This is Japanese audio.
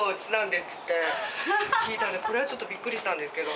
って聞いたんでこれはちょっとびっくりしたんですけど。